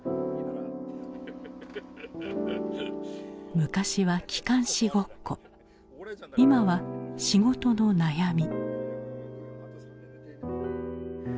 昔は機関士ごっこ今は仕事の悩み。